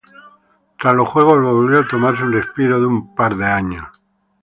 Tras los Juegos volvió a tomarse un respiro de un par de años.